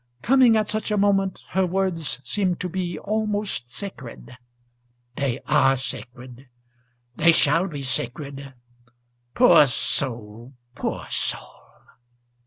"Coming at such a moment, her words seemed to be almost sacred." "They are sacred. They shall be sacred. Poor soul, poor soul!"